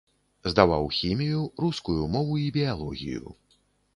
Здаваў хімію, рускую мову і біялогію.